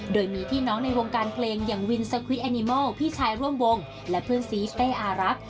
โดยมีพี่น้องในวงการเพลงอย่างวินสควิดแอนิมอลพี่ชายร่วมวงและเพื่อนซีสเต้อารัก